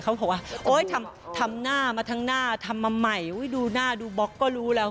เขาบอกว่าโอ๊ยทำหน้ามาทั้งหน้าทำมาใหม่ดูหน้าดูบล็อกก็รู้แล้ว